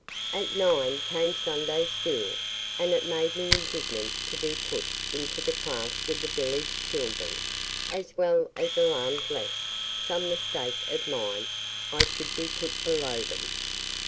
"At 9 came Sunday School; and it made me indignant to be put into the class with the village children, as well as alarmed lest, by some mistake of mine, I should be put below them.